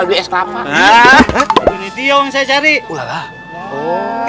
ngapa taruh di sini